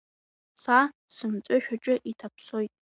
Са сымҵәышә аҿы иҭаԥсоит!